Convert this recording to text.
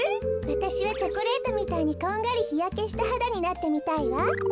わたしはチョコレートみたいにこんがりひやけしたはだになってみたいわ。